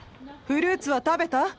フルーツは食べた？